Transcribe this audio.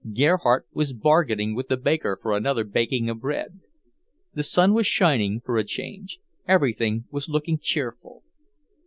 Gerhardt was bargaining with the baker for another baking of bread. The sun was shining, for a change, everything was looking cheerful.